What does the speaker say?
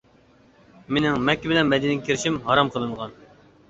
مېنىڭ مەككە بىلەن مەدىنىگە كىرىشىم ھارام قىلىنغان.